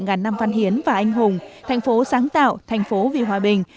ngàn năm văn hiến và anh hùng thành phố sáng tạo thành phố vì hòa bình